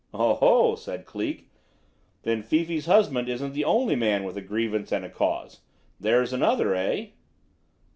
"Oho!" said Cleek. "Then Fifi's husband isn't the only man with a grievance and a cause? There's another, eh?"